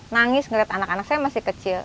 nangis melihat anak anak saya masih kecil